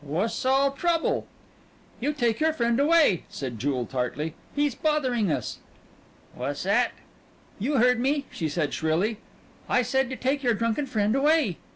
"Wha's all trouble?" "You take your friend away," said Jewel tartly. "He's bothering us." "What's at?" "You heard me!" she said shrilly. "I said to take your drunken friend away."